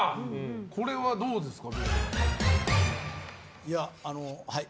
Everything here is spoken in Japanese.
これはどうですか？